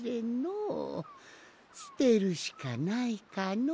すてるしかないかのう。